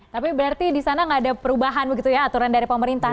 tapi berarti di sana nggak ada perubahan begitu ya aturan dari pemerintah